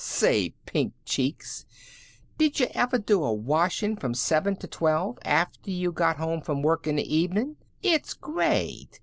"Say, Pink Cheeks, did yuh ever do a washin' from seven to twelve, after you got home from work in the evenin'? It's great!